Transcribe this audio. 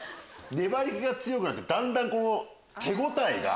粘り気が強くなってだんだん手応えが。